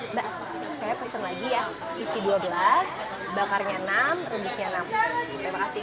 mbak saya pesan lagi yang isi dua belas bakarnya enam rebusnya enam terima kasih